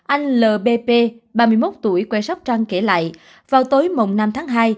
anh lbp ba mươi một tuổi quê sóc trăng kể lại vào tối mùng năm tháng hai